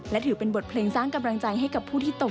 และถือเป็นบทเพลงสร้างกำลังใจให้กับผู้ที่โต